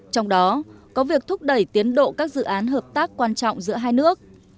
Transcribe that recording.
trong đó có việc thúc đẩy tiến độ các dự án hợp tác quan trọng giữa hai nước